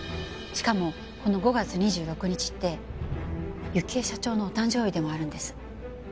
しかもこの５月２６日って幸恵社長のお誕生日でもあるんです。